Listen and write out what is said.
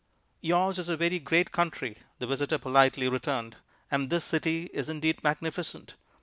"Yours is a very great country," the visitor politely returned, "and this city is indeed magnificent.